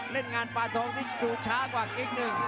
เล่นงานปานทองที่ดูช้ากว่าอีกหนึ่ง